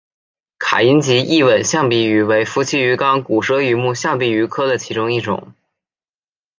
卡因吉异吻象鼻鱼为辐鳍鱼纲骨舌鱼目象鼻鱼科的其中一种。